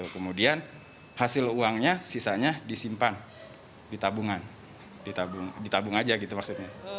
kemudian hasil uangnya sisanya disimpan ditabungan ditabung aja gitu maksudnya